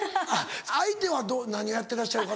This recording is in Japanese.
相手は何をやってらっしゃる方？